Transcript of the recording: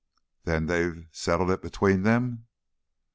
"Then they've settled it between them?"